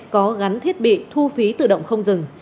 có gắn thiết bị thu phí tự động không dừng